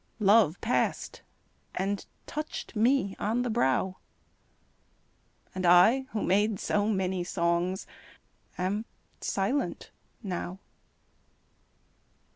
Love passed and touched me on the brow, And I who made so many songs Am silent now.